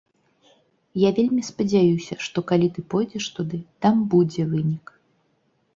Я вельмі спадзяюся, што калі ты пойдзеш туды, там будзе вынік.